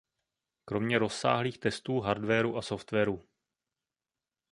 Kromě rozsáhlých testů hardwaru a softwaru.